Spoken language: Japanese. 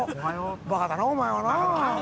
バカだなお前はなあ。